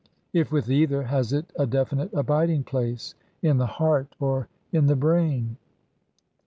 If with either, has it a definite abiding place in the heart, or in the brain?